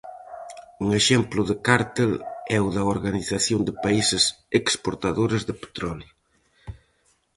Un exemplo de cártel é o da Organización de Países Exportadores de Petróleo.